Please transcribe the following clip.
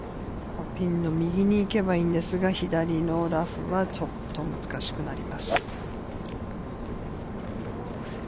ピンの右に行けばいいんですが、左のラフは、ちょっと難しくなります。